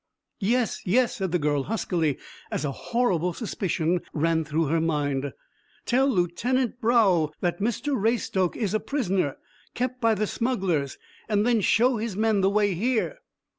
"Yes, yes," said the girl huskily, as a horrible suspicion ran through her mind. "Tell Lieutenant Brough that Mr Raystoke is a prisoner, kept by the smugglers, and then show his men the way here."